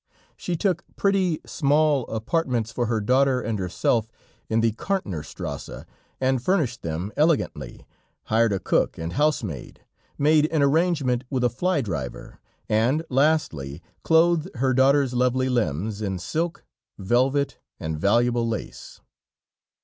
She took pretty, small apartments for her daughter and herself in the Kärntnerstrasse and furnished them elegantly, hired a cook and housemaid, made an arrangement with a fly driver, and lastly clothed her daughter's lovely limbs in silk, velvet and valuable lace.